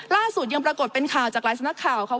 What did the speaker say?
ล่าสุดยังปรากฏเป็นข่าวจากหลายสำนักข่าวค่ะ